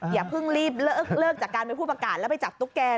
อย่าเพิ่งรีบเลิกจากการเป็นผู้ประกาศแล้วไปจับตุ๊กแก